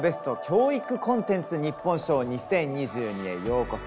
教育コンテンツ日本賞２０２２」へようこそ。